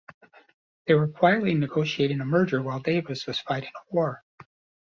They were quietly negotiating a merger while Davis was fighting a war.